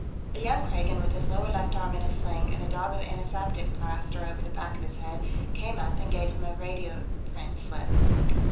A young Kragan with his lower left arm in a sling and a daub of antiseptic plaster over the back of his head came up and gave him a radioprint slip.